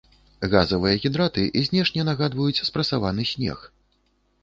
Газавыя гідраты знешне нагадваюць спрасаваны снег.